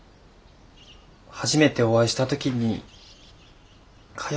初めてお会いした時にかよ